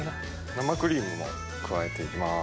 生クリームも加えていきます。